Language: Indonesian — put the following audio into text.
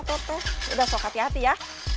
udah soh hati hati ya